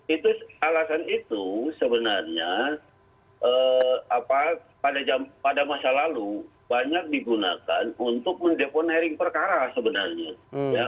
itu alasan itu sebenarnya pada masa lalu banyak digunakan untuk mendeponaring perkara sebenarnya